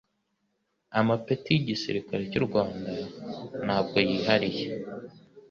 amapeti y'igisirikare cy'u Rwanda ntabwo yihariye